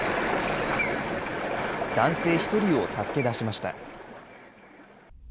男性１人を助け出しました。